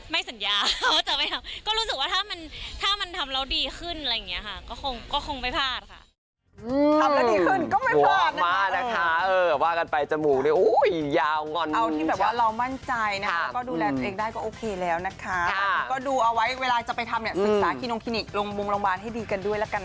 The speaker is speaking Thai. ไม่สัญญาก็รู้สึกว่าถ้ามันทำแล้วดีขึ้นอะไรอย่างนี้ค่ะก็คงไม่พลาดค่ะ